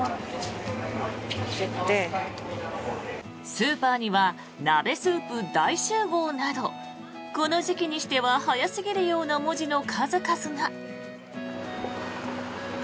スーパーには「鍋スープ大集合！」などこの時期にしては早すぎるような文字の数々が。